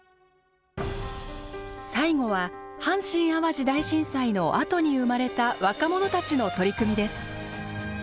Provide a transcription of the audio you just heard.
最後は阪神・淡路大震災のあとに生まれた若者たちの取り組みです。